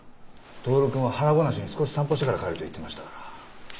透くんは腹ごなしに少し散歩してから帰ると言ってましたから。